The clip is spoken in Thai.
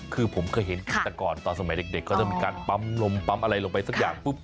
คือผมเคยเห็นแต่ก่อนตอนสมัยเด็กเขาจะมีการปั๊มนมปั๊มอะไรลงไปสักอย่างปุ๊บ